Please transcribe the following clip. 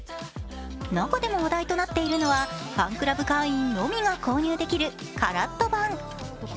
中でも話題となっているのは、ファンクラブ会員のみが購入できるＣＡＲＡＴ盤。